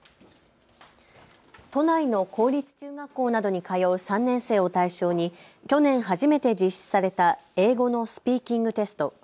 都内の公立中学校などに通う３年生を対象に去年初めて実施された英語のスピーキングテスト。